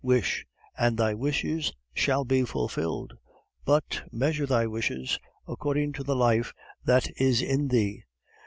WISH, AND THY WISHES SHALL BE FULFILLED; BUT MEASURE THY DESIRES, ACCORDING TO THE LIFE THAT IS IN THEE.